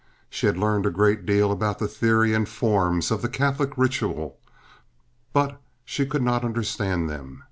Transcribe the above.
She had learned a great deal about the theory and forms of the Catholic ritual, but she could not understand them.